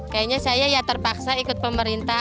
kayaknya saya ya terpaksa ikut pemerintah